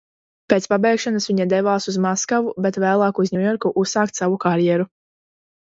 Pēc pabeigšanas viņa devās uz Maskavu, bet vēlāk uz Ņujorku uzsākt savu karjeru.